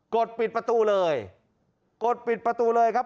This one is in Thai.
ดปิดประตูเลยกดปิดประตูเลยครับ